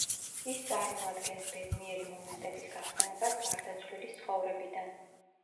ის წარმოადგენს ბედნიერი მომენტების გახსენებას გარდაცვლილის ცხოვრებიდან.